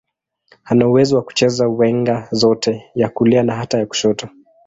Ana uwezo wa kucheza winga zote, ya kulia na hata ya kushoto.